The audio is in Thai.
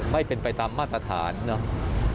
ไม่เป็นไปตามมาตรฐานเนาะ